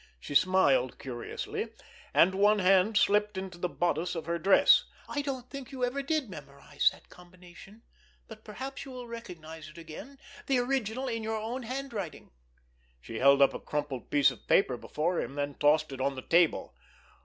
She smiled curiously, and one hand slipped into the bodice of her dress. "I don't think you ever did memorize that combination. But perhaps you will recognize it again—the original in your own handwriting." She held up a crumpled piece of paper before him, then tossed it on the table.